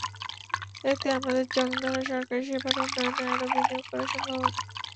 এতে আমাদের জং ধরা সরকারি সেবার উন্নয়নে আরও বিনিয়োগ করা সম্ভব হবে।